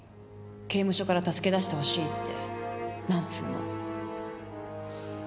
刑務所から助け出してほしいって何通も。